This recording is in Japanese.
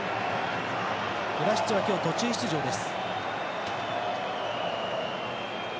ブラシッチは今日、途中出場です。